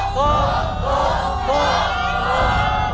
ผิดนะครับ